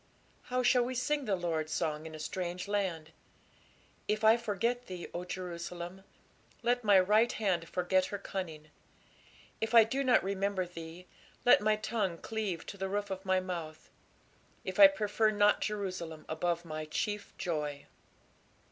How shall we sing the Lord's song in a strange land? If I forget thee, O Jerusalem, let my right hand forget her cunning. If I do not remember thee, let my tongue cleave to the roof of my mouth; if I prefer not Jerusalem above my chief joy.